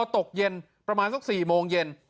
ตกเย็นประมาณสัก๔โมงเย็น